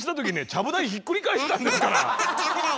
ちゃぶ台ひっくり返したんですから。